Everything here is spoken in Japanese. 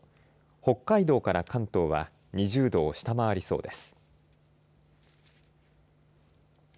北海道から関東は２０度を下回りそうです。